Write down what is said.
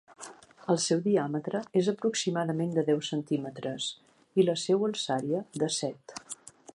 El seu diàmetre és aproximadament de deu centímetres i la seua alçària de set.